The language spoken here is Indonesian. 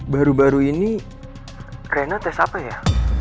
baru baru ini rena tes apa ya